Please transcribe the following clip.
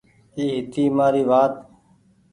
اي هيتي مآري وآت۔